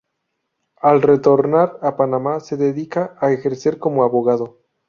Al retornar a Panamá, se dedica a ejercer como abogado.